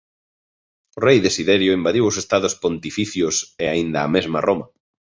O rei Desiderio invadiu os Estados Pontificios e aínda a mesma Roma.